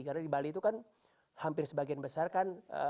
karena di bali itu kan hampir sebagian besar kan